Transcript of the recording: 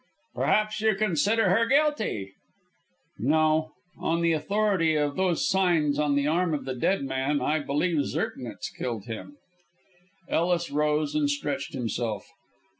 "Perhaps you consider her guilty?" "No. On the authority of those signs on the arm of the dead man, I believe Zirknitz killed him." Ellis rose and stretched himself.